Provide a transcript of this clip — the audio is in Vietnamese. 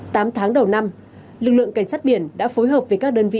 tám tháng đầu năm lực lượng cảnh sát biển đã phối hợp với các đơn vị